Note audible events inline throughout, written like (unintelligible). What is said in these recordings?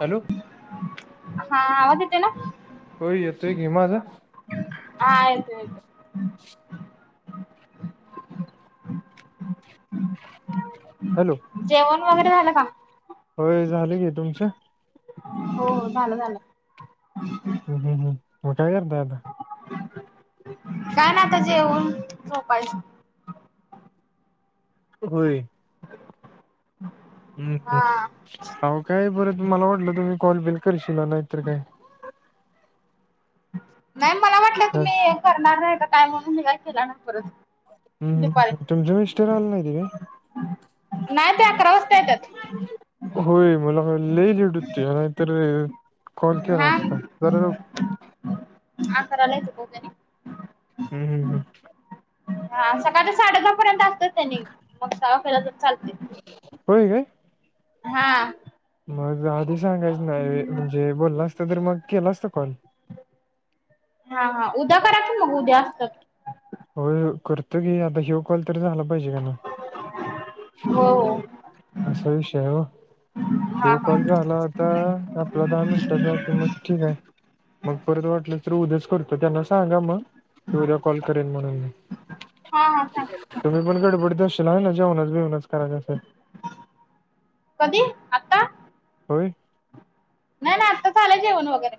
Hello हा आवाज येतोय ना? होय येतोय की माझा हां येतोय येतोय. (inaudible) जेवण वगैरे झालं का? होय झालं की, तुमचं? हो हो झालं झालं. हम् हम्म हम्, म काय करताय आता? काय नाय आता जेवुन झोपायच. होय. (inaudible) हम् हम हा. आवो काय बरं मला वाटलं तुम्ही कॉल बिल करशील नाय तर काय. नाही मला वाटलं हा. तुम्ही करणार नाहीसा काय म्हणून मी काय केला नाही परत. दुपारी, हम्म तुमचे मिस्टर आले नाहीत नाही ते अकरा वाजता येत्यात. होय मला पण लय लेट होतोय नाहीतर कॉल केला असता, जरा लवकर काम करायला येत पोत्याने हू हू हू हा सकाळच्या साडे दहा पर्यंत त्यांनी मग साव्या फेरा तच चालते होय काय हा मग आधी सांगायचं नाही व्हय म्हणजे बोलला असत तर मग केला असता कॉल हा हा उद्या करा की मग उद्या अस होय ओ करतो की आता ह्यो कॉल तर झाला पाहिजे का नाही हो हो असा विषय आहे ओ हा ह्यो हा. कॉल झाला आता आपला दहा मिनटाचा की मग ठीक हाय मग परत वाटलंच तर उद्याच करतो त्यांना सांगा म की उद्या कॉल करेन म्हणून मी हा हा सांगते सांगते. तुम्ही पण गडबडडीत असशीला होय नई जेवणाच बिवनाच करायच असेल कधी आता होय नाही नाही आत्ता झालय जेवण वगैरे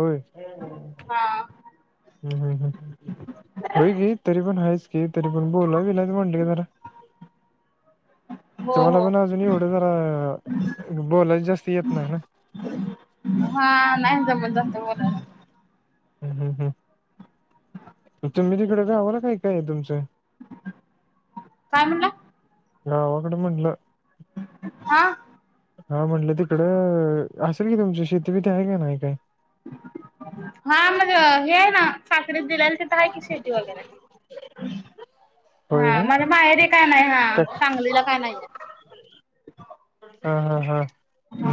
होय हा हू हू हू हू हू होय की तरी पण हायच की तरी पण बोलाय बीलायच म्हटलं की जरा (inaudible) हो तुम्हाला हो पण अजून एवढं जरा बोलाय जास्ती येत नाही ना हा नाही जमत जास्ती हू हू हू तुम्ही तिकडे गावाला काय काय हाय तुमचं काय म्हणला गावाकड म्हणलं हा हा म्हटलं तिकडं असल की तुमची शेती बीती हाय का नाही काय हा मग हे आहे ना साखरीत दिल्याल तिथं हाय की शेती वगैरे होय हा काय मला माहेरी काय नाही हा काय सागलीला काय नाही हा हा हा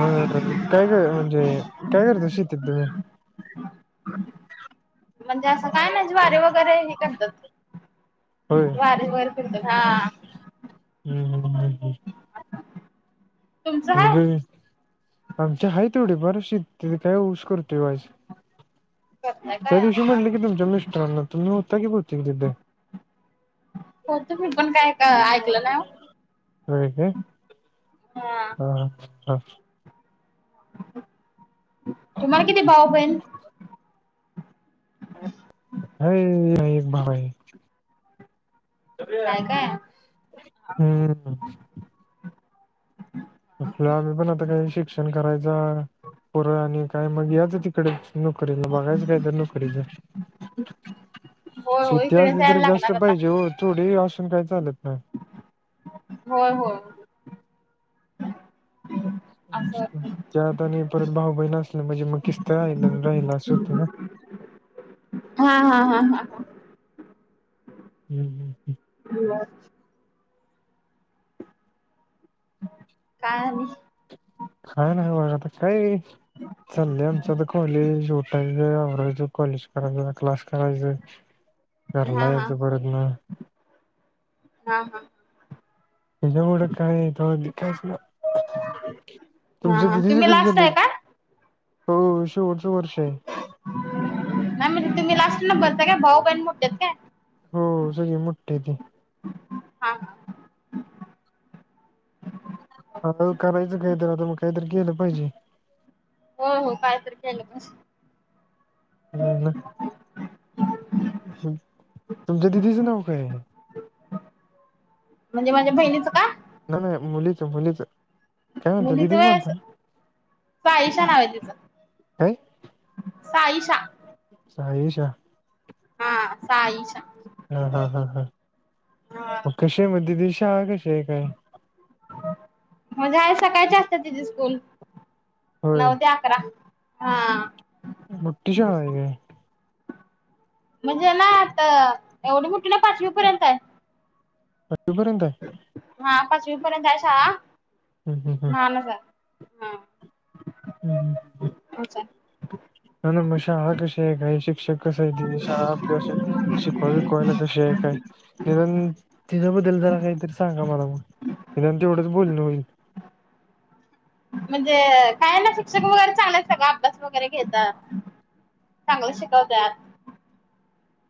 मग काय ग म्हणजे काय करता शेतीत तुम्ही (inaudible) म्हणजे असं काय म ज्वारी वगैरे हे करतात होय ज्वारी वर फिरवतात हा हू हू हू हू तुमचं हाय मग आमची हाय थोडीफार शेत तेच काय ऊस करतोय वाईज करताय त्या काय दिवशी हा म्हटलं की तुमच्या मिस्टरांना तुम्ही होता की बहुतेक तिथ हो तुम्ही पण काय ऐकलं नाही ओ. होय काय हा हा तुम्हाला किती भाऊ बहीण अरे अंबाबाई सुऱ्या हाय काय हू हू आपल्या आम्ही पण आता काय शिक्षण करायच पुरं आणि काय मग याच तिकड नोकरीला बघायचं काय तर नोकरीच (inaudible) होय होय शेती इकडेच असली यायला तरी, जास्त लागणार आता पाहिजे हो थोडी असून काही चालत नाही. होय होय. असं त्यात आणि परत भाऊ बहिण असल्या म्हणजे मग किसत राहिलं राहिल असं होते ना. हा हा हा हा हम्म हम्म (inaudible) काय अन् काय ना बघाता काय (inaudible) चल्ले आमच्या कॉलेज उठायचं, आवरायचं, कॉलेज कराय क्लास करायचं. हा घरला हा यांचा परत हा हा त्याच्यामुळें काय ते कायच ना तुमच्या हा दिदीचे तुम्ही कसे लास्ट झाले आहे का (inaudible) हो शेवटच वर्ष आहे. नाही म्हणजे तुम्ही लास्ट नंबरच काय भाऊ बहीण मोठे काय? हो सगळे मोठठी त. हा हा ह करायचं काहीतरी आता मग काहीतरी केलं पाहिजे की. हो हो कायतरी केलं पाहिजे. नैना, तुम तुमच्या दिदीचं नाव काय आहे‌? म्हणजे माझ्या बहिणीचं का? नाय नाय मुलीच, मुलीच. मुलीच वय स साईशा नाव आहे तिचं. काय साईशा. साईशा. हा साईशा हा हा हा हा हा मग कशी आहे म्हणते, तीझी शाळा कशी आहे. मग आहे सकाळचे असते तिची स्कूल होय नव्हते आठ- अकरा. हा मोठी शाळा आहे व्हय. म्हणजे ना आता एवढी मुठी नाही. पाचवी पर्यंत आहे. पाचवीपर्यंत आहे. हा पाचवी पर्यंतय हाय शाळा, हम्म हम्म हम्म. लहानच हाय. हा हं हं हं हं ओके. नाय नाय मग शाळा कशी आहे काय शिक्षक कसा आहे ती, शाळा असं आपली अशी हाय शिकु बिकु शिकवायला कशी हाय काय, निदान तिच्याबद्दल काहीतरी सांगा मला. निदान तेवढेच बोलणं होईल. म्हणजे काय ना शिक्षक वगैरे चांगलाय सगळा अभ्यास वगैरे घेतात. चांगलं शिकवतात.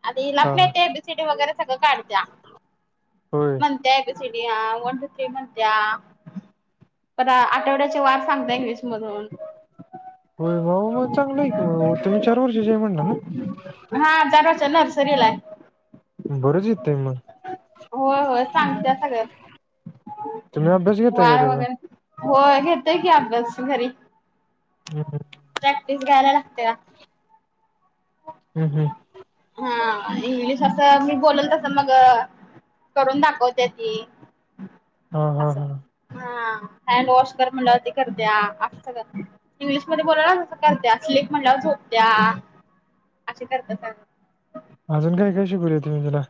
आता हिला हा पण हा. येते एबीसीडी वगैरे सगळं काढते या. होय म्हणते एबीसीडी अना वन टू थ्री म्हणते या परत आठवड्यात वार सांगते हा इंग्लिश मधून. हो बा मग चांगलं आहे का मग, तुम्ही चार वर्षाची हाय म्हणला ना. हा चार वर्षे नर्सरी ला हाय. बरंच येतंय मग. होय होय सांगत्या सगळ. तुम्ही अभ्यास घेताय काय तेचा? होय घेतोय की अभ्यास घरी. हम् हम. प्रॅक्टिस घ्यायला लागत्या. हं हं. हां इंग्लिश आस मी बोलेल तसं मग करून दाखवत्या ती. हां हां असं हां. हा, हँडवॉश कर म्हणल्यावरती करत्या, असं सगळं इंग्लिशमध्ये बोलल तसं करत्या स्लीप म्हल्यावर झोपत्या आधी करत्या अजून काय काय शिकवलंय तुम्ही तिला?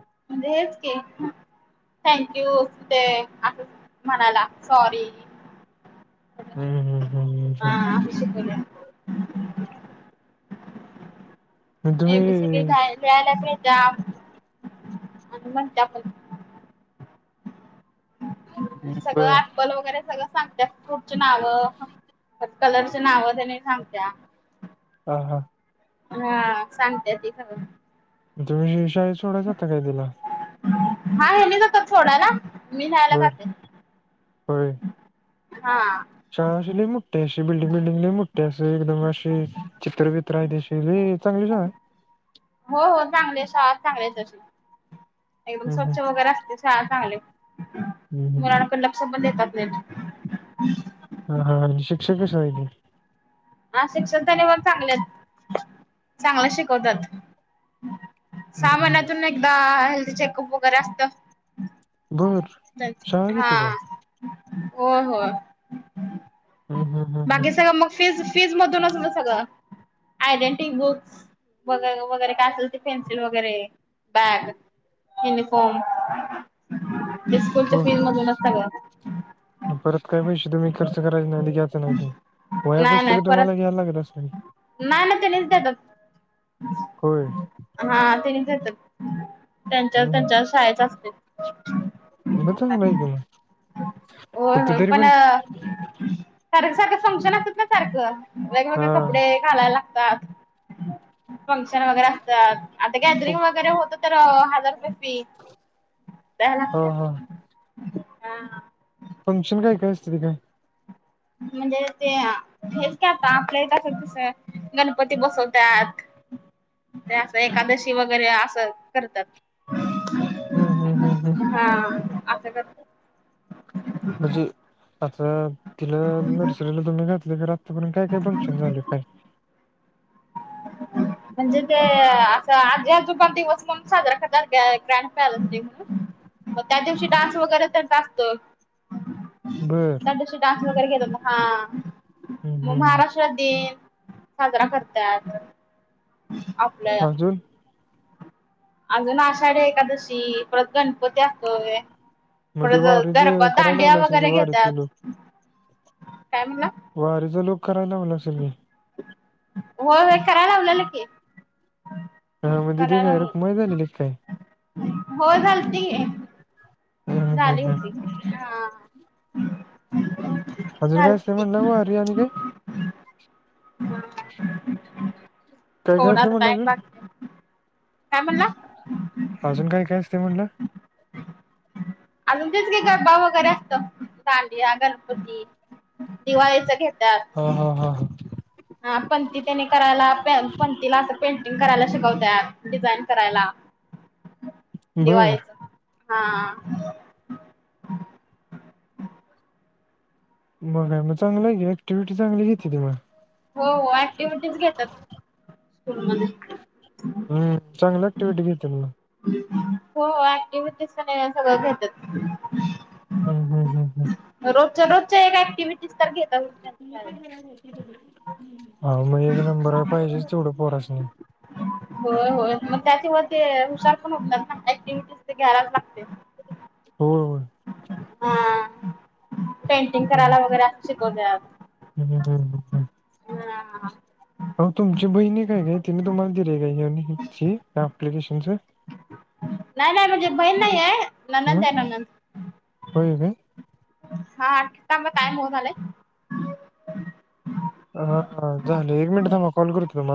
म्हणजे हेच की थँक्यू ते अस म्हणाला सॉरी हम्म हम्म हां हम्म हम्म. हम्म. असं शिकवलिया. मग ए बी सी डी तुम्ही श- लिहायला पण येत्या आणि म्हणत्या पण. सगळं बर. ॲपल वगैरे सगळं सांगत्या. फ्रूट ची नाव, कलरचे नाव तेनी सांगत्या. हा हा. हां सांगत्या ती सगळं. तुम्ही शाळेत सोडाय जाता का तिला? हा हेनी जात्यात सोडायला मी न्यायला बर जातोय. होय हां. शाळा आशी लय मोठी हाय, अशी बिल्डिंग बिल्डिंग लय मोठी हाय, अशी एकदम आशि चित्र बित्र हायत आशि, लय चांगली शाळा हाय. हो हो चांगली हाय शाळा, चांगली आहे तशी, एकदम हम्म स्वच्छ हम्म वगैरे असते. शाळा चांगली आहे, हम्म हम्म. मुलांकडे लक्ष पण देतात नीट. ह हा हा शिक्षक कशे हाइती? हा शिक्षक तरी पण चांगले आहेत, चांगले शिकवतात. सहा महिन्यातून एकदा हेल्थ चेकअप वगैरे असतं बर. तेच शाळा किती काय हां होय होय. हम्म हम्म हम्म हम्म. बाकी सगळं मग फिज -फीज मधूनच मग सगळं आयडेंटी, बुक्स वगैरे वगैरे काय असेल ते पेन्सिल वगैरे बॅग युनिफॉर्म इ स्कूलच्या हो फीज मधूनच सगळं. परत काय पैसे तुम्ही खर्च करायचे नाय ख्याच नाईती? वया नाही नाही पुस्तक तुम्हाला परत घ्याल लागत असतील? नाही ना त्यांनीच देतात होय. हा तेनी देत्यात, त्यांच्या त्यांच्या शाळेचं असतंय. म चांगल हाय की म, फक्त तरीपण कारण सारखं सारखं फंक्शन असतात ना सारखं, वेगवेगळे हा कपडे घालायला लागतात, फंक्शन वगैरे असतात, आत्ता गॅदरिंग वगैरे होतच तर हजार रुपये फी द्याय हो हो लागत्यात, हा. फंक्शन काय काय असतय तिथं? म्हणजे ते आ.. हेच की आता आपल्या इथं असं दुसरं गणपती बसवत्यात. ते असं एकादशी वगैरे असं करतात. ह्म्.. ह्म्म्. ह्म्म् हा.. अस कर म्हणजे आता तिला नर्सरीला तुम्ही घातलं आतापर्यंत काय काय फंक्शन झालं काय? ह (inaudible) म्हणजे ते.. आता आजी -आजोबा दिवस पण साजरा करतात काय ग्रँड पेरेंट्स डे म्हणून. ह (inaudible) मग त्या दिवशी डान्स वगैरे त्यांचा असतो. बर त्या दिवशी डान्स वगैरे घेतात, हा.. हम्म मग हम्म महाराष्ट्र डे.. साजरा करत्यात, आप अजून अजून आषाढी एकादशी परत गणपती असतोय. मग ते परत वारीच गरबा, करायला दांडिया लावलं असेल की वगैरे घेतात, वारीतले लोक काय म्हटला? वारीचा लुक करायलाव ला असेल मी व्हय व्हय कराय लावलेलं की अ.. म्हणजे करायला ती लावलेलं. रुक्माई झालेली काय? होय झालती, हम्म हम्म झाली हम्म होती हा.. हू (unintelligible) अजून काय असते म्हटला वारी आणि हे त्याच्या थोडाच समो म्हणलो टाइम मी बाकी काय म्हणला? अजून काय- काय असते म्हणला? हा अजून तीच की गरबा वगैरे असतो, दांडिया गणपती दिवाळीचं घेतात. हो.. हो.. हो.. हा पण पणती त्यांनी करायला, पणतीला आता पेंटिंग करायला शिकवतात. डिझाईन करायला. हं (unintelligible) दिवाळीत, हा.. मग काय, मग चांगलं आहे ऍक्टिव्हटी चांगलीेत घेतली मग हो.. हो.. ऍक्टिव्हटीज घेतात, स्कूलमध्ये हम्.. चांगल ऍक्टिव्हटी घेतेत मग हो ऍक्टिव्हच काय हे सगळं घेतात. हम् हम्म हम् हम रोजच्या रोजच्या एक ऍक्टिव्हटीज तर घेतातच त्यांच्या शाळेत. आ.. हो.. मग एक नंबर आहे पाहिजे तेवढं पोरासणी होय होय मग त्याच्यावर ते हुशार पण होत ना ऍक्टिव्हटी ते घ्यालाच लागतय. होय.. होय हा.. पेंटिंग हम्म, करायला वगैरे अस शिकवत्यात. हम्म हम्म हा आहो.. तुमची बहिणी काय तिने तुम्हाला दिल आहे का हे अप्लिकेशनच नाही नाही म्हणजे बहीण नाही आहे, ननंद आहे ननंद. होय होय? हां त्यामुळं काय (unintelligible) अ झालंय एक मिनिट थांबा कॉल करतो तुम्हाला.